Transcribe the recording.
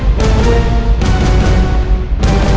tapi wayou masih tak sangat yakin hehehe